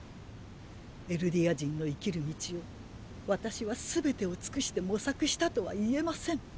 エルディア人の生きる道を私はすべてを尽くして模索したとは言えません。